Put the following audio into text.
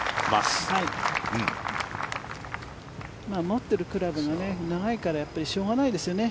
持ってるクラブが長いからしょうがないですよね。